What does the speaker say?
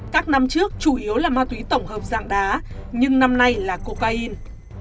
các năm trước chủ yếu là ma túy tổng hợp dạng đá nhưng năm nay là cocaine